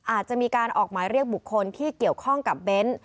อาจจะมีการออกหมายเรียกบุคคลที่เกี่ยวข้องกับเบ้น